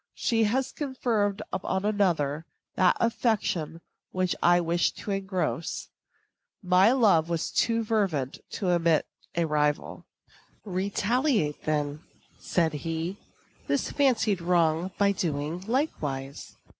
She has conferred upon another that affection which I wished to engross. My love was too fervent to admit a rival." "Retaliate, then," said he, "this fancied wrong by doing likewise."